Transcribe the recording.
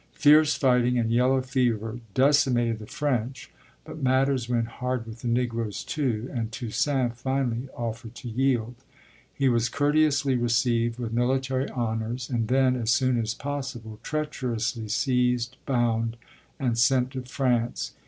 Fierce fighting and yellow fever decimated the French, but matters went hard with the Negroes too, and Toussaint finally offered to yield. He was courteously received with military honors and then, as soon as possible, treacherously seized, bound, and sent to France.